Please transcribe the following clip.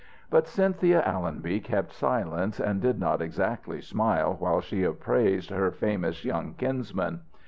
But Cynthia Allonby kept silence, and did not exactly smile, while she appraised her famous young kinsman.